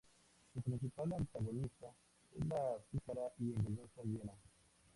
Su principal antagonista es la pícara y engañosa hiena.